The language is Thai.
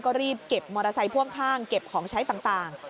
ก็รีบเก็บมอเตอร์ไซค์พ่วงข้างเก็บของใช้ต่าง